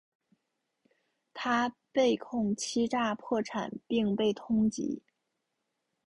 他被控欺诈破产并被通缉。